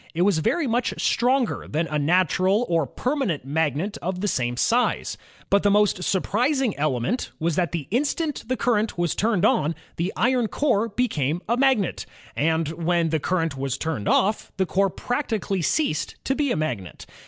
It was very much stronger than a natural or permanent magnet of the same size. But the most sur prising element was that the instant the current was turned on, the iron core became a magnet, and when the 78 INVENTIONS OF STEAM AND ELECTRIC POWER current was turned ofif the core practically ceased to be a magnet.